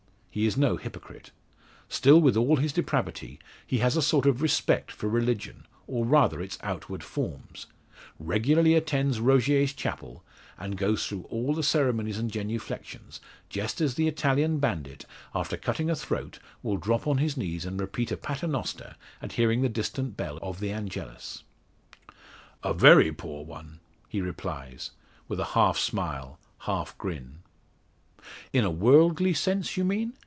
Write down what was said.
He is no hypocrite; still with all his depravity he has a sort of respect for religion, or rather its outward forms regularly attends Rogier's chapel, and goes through all the ceremonies and genuflexions, just as the Italian bandit after cutting a throat will drop on his knees and repeat a paternoster at hearing the distant bell of the Angelus. "A very poor one," he replies, with a half smile, half grin. "In a worldly sense, you mean?